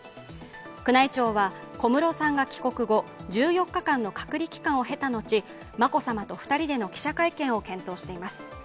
宮内庁は、小室さんが帰国後、１４日間の隔離期間を経た後、眞子さまと２人での記者会見を検討しています。